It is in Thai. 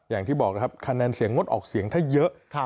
อย่างที่บอกนะครับคะแนนเสียงงดออกเสียงถ้าเยอะ